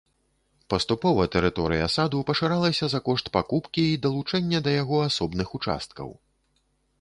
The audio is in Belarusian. Паступова тэрыторыя саду пашыралася за кошт пакупкі і далучэння да яго асобных участкаў.